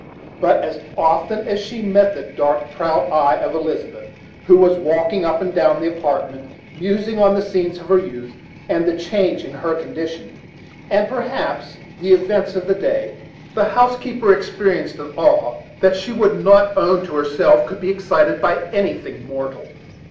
But as often as she met the dark, proud eye of Elizabeth, who was walking up and down the apartment, musing on the scenes of her youth and the change in her condition, and perhaps the events of the day, the housekeeper experienced an awe that she would not own to herself could be excited by anything mortal.